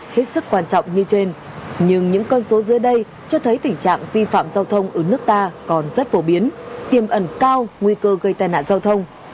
hết sức quan trọng như trên nhưng những con số dưới đây cho thấy tình trạng vi phạm giao thông ở nước ta còn rất phổ biến tiềm ẩn cao nguy cơ gây tai nạn giao thông